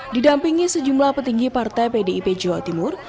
didampingi sejumlah petinggi partai pdip jawa timur